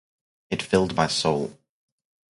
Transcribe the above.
It filled my soul.